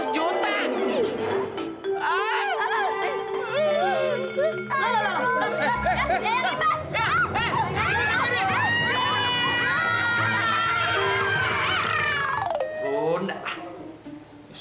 seratus juta lah